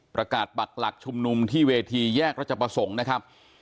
ปักหลักชุมนุมที่เวทีแยกรัชประสงค์นะครับ